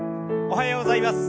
おはようございます。